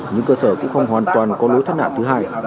nhưng cơ sở cũng không hoàn toàn có lối thắt nạn thứ hai